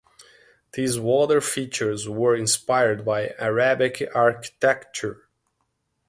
These water features were inspired by Arabic architecture.